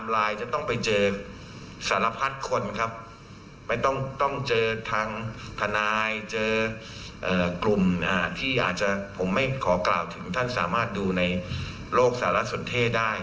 โลกสารสนเทได้